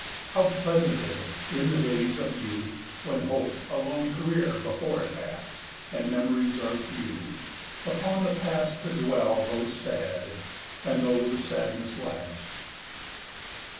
How pleasant is it, in the days of youth, When hope a long career before it hath, And memories are few, upon the past To dwell, though sad, and though the sadness last!